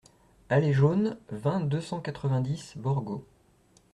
Allée Jaune, vingt, deux cent quatre-vingt-dix Borgo